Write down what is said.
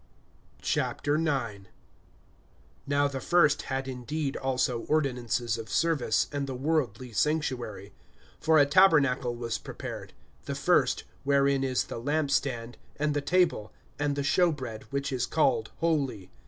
IX. NOW the first had indeed also ordinances of service, and the worldly sanctuary. (2)For a tabernacle was prepared; the first, wherein is the lamp stand, and the table, and the show bread; which is called holy.